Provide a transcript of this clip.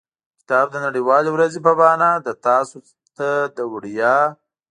د کتاب د نړیوالې ورځې په بهانه له تاسو ته د وړیا.